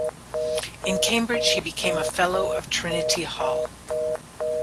In Cambridge he became fellow of Trinity Hall.